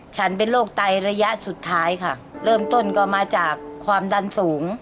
ฉันเป็นโรคไตระยะสุดท้ายค่ะเริ่มต้นก็มาจากความดันสูง